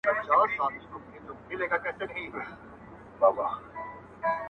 خدای دي نه کړي له سړي څخه لار ورکه -